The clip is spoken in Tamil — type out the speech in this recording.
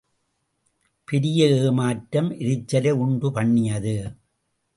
பெரிய ஏமாற்றம் எரிச்சலை உண்டு பண்ணியது.